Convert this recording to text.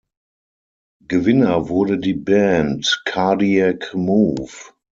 Gewinner wurde die Band Cardiac Move.